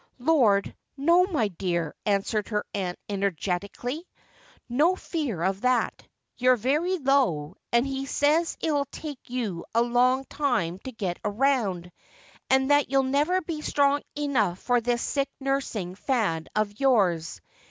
'Lord, no, my dear,' answered her aunt energetically. 'No fear of that. You're very low, and he says it'll take you a long time to get round, and that you'll never be strong enough for this sick nursing fad of yours.